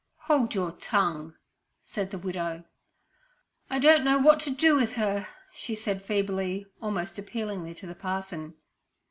'Hold your tongue!' said the widow. 'I don't know what to do with her' she said feebly, almost appealingly, to the parson.